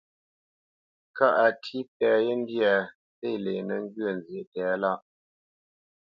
Kâʼ a tí pɛ yé ndyâ, ndě lenə́ ŋgyə̌ nzyéʼ tɛ̌lâʼ.